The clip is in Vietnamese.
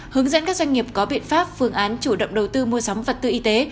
hướng dẫn các doanh nghiệp có biện pháp phương án chủ động đầu tư mua sắm vật tư y tế